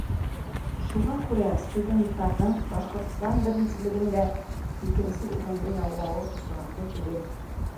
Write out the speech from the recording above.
Шуға күрә студенттарҙың Башҡортостан беренселегендә икенсе урынды яулауы осраҡлы түгел.